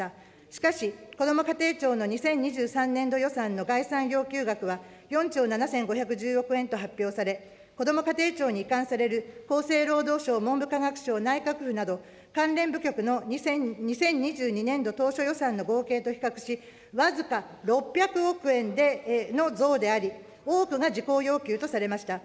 しかし、こども家庭庁の２０２３年度予算の概算要求額は、４兆７５１０億円と発表され、こども家庭庁に移管される厚生労働省、文部科学省、内閣府などの関連部局の２０２２年度当初予算の合計と比較し、僅か６００億円の増であり、多くが事項要求とされました。